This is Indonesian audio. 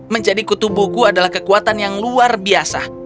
menjadi kutubuku adalah kekuatan yang luar biasa